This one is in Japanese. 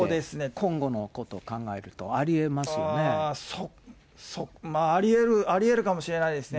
今後のことを考えるとありえますありえるかもしれないですね。